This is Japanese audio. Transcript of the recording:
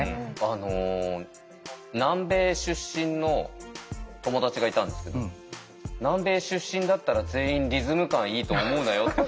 あの南米出身の友達がいたんですけど南米出身だったら全員リズム感いいと思うなよって。